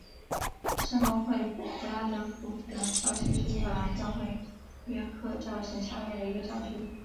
圣公会布拉德福德教区是英格兰教会约克教省下面的一个教区。